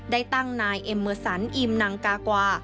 ได้ตั้งนายเอ็มเมอร์สันอิมนังกากวา